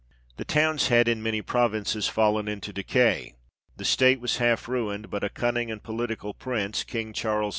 The towns had, in many provinces, fallen into decay, the state was half ruined, but " a cunning and political prince," King Charles X.